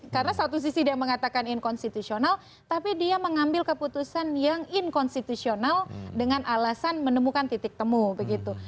karena satu sisi dia mengatakan inkonstitusional tapi dia mengambil keputusan yang inkonstitusional dengan alasan menemukan titik temu begitu